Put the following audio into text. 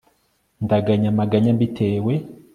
Ndaganya amaganya mbitewe